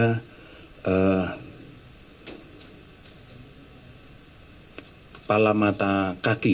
kepala mata kaki